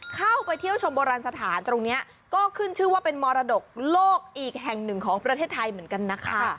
เข้าไปเที่ยวชมโบราณสถานตรงนี้ก็ขึ้นชื่อว่าเป็นมรดกโลกอีกแห่งหนึ่งของประเทศไทยเหมือนกันนะคะ